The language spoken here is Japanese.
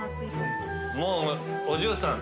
もうお嬢さん。